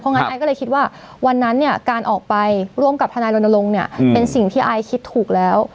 งั้นไอซ์ก็เลยคิดว่าวันนั้นเนี่ยการออกไปร่วมกับทนายรณรงค์เนี่ยเป็นสิ่งที่ไอซ์คิดถูกแล้ว